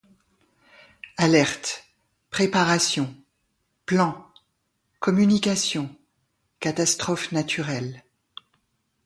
Alerte - Préparation - Plan - Communication - Catastrophe naturelle